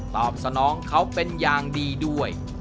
ตอบสนองเขาเป็นอย่างดีด้วย